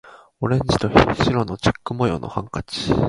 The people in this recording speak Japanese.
オレンジと白のチェック模様のハンカチ